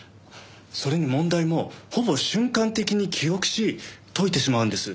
それに問題もほぼ瞬間的に記憶し解いてしまうんです。